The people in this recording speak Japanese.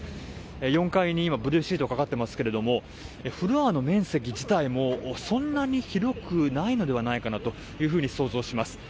４階にブルーシートがかかっていますがフロアの面積自体もそんなに広くないのではないかなというふうに想像します。